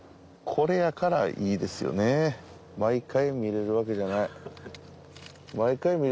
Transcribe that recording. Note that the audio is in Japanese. コレやからイイですよね毎回見られるワケじゃない。